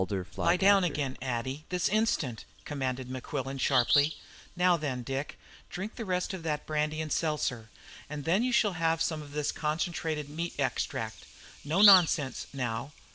"Lie down again, Addie, this instant!" commanded Mequillen sharply. "Now then, Dick, drink the rest of that brandy and seltzer, and then you shall have some of this concentrated meat extract. No nonsense, now.